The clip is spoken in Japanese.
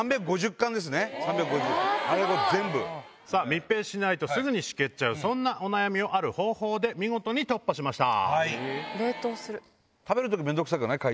密閉しないとすぐに湿気ちゃうそんなお悩みをある方法で見事に突破しました。